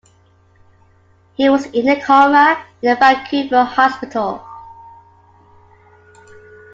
He was in a coma in a Vancouver hospital.